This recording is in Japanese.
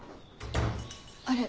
あれ？